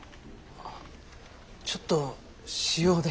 あちょっと私用で。